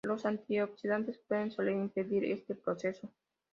Los antioxidantes pueden soler impedir este proceso.